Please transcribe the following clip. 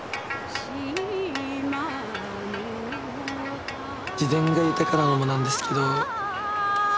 自然が豊かなのもなんですけど。